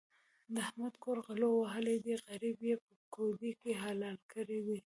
د احمد کور غلو وهلی دی؛ غريب يې په کودي کې حلال کړی دی.